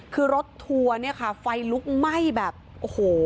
คือรถทัวร์เนี่ยค่ะไฟลุกไหม้แบบโอ้โห